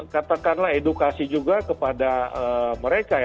katakanlah edukasi juga kepada mereka ya